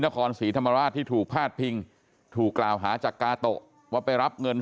นครศรีธรรมราชที่ถูกพาดพิงถูกกล่าวหาจากกาโตะว่าไปรับเงิน